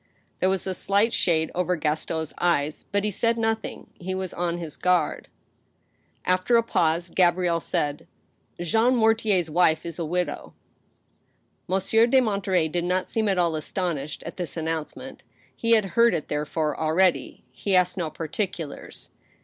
There was a slight shade over Gaston's eyes, but he said noth ing. He was on his guard. 230 TUB STEEL HAMMER, After a pause, Gabrielle said :" Jean Mortier*s wife is a widow." Monsieur de Monterey did not seem at all astonished at this an nouncement. He had beard it, therefore, already. He asked no particulars.